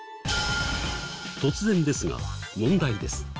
突然ですが問題です。